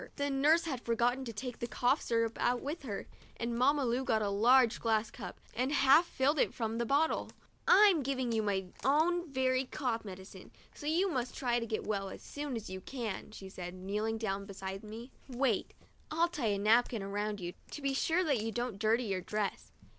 The nurse had forgotten to take the cough syrup out with her, and Mamma Lu got a large glass cup and half filled it from the bottle. 'I'm giving you my own very cough medicine, so you must try to get well as soon as you can," she said, kneeling down beside me. ' Wait ; I'll tie a napkin around you, to be sure that you don't dirty your dress.